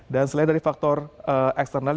dan selain dari faktor eksternal